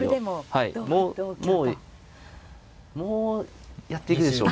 はいもうもうもうやっていくでしょう。